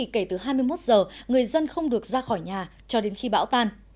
cơn bão đã được ra khỏi nhà cho đến khi bão tan